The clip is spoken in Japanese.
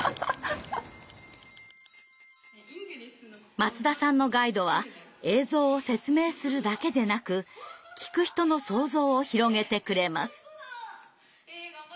松田さんのガイドは映像を説明するだけでなく聞く人の想像を広げてくれます。